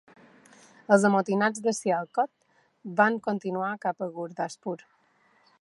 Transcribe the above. Els amotinats de Sialkot van continuar cap a Gurdaspur.